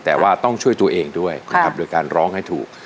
แต่ว่าต้องช่วยตัวเองด้วยนะครับโดยการร้องให้ถูก